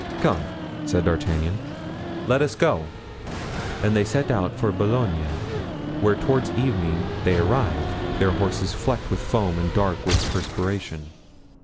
"Come," said D'Artagnan, "let us go." And they set out for Boulogne, where toward evening they arrived, their horses flecked with foam and dark with perspiration.